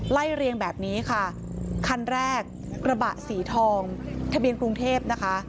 ไล่เรียงแบบนี้ค่ะคันแรกกระบะสีทองทะเบียนกรุงเทพนะคะ